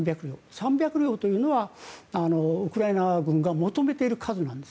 ３００両というのはウクライナ軍が求めている数です